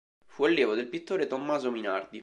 Fu allievo del pittore Tommaso Minardi.